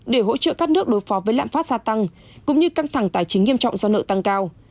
để hỗ trợ các nước đối phó với lãng phát gia tăng cũng như căng thẳng tài chính nghiêm trọng do nợ tăng cao